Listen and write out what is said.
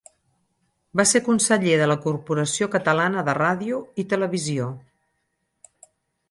Va ser conseller de la Corporació Catalana de Ràdio i Televisió.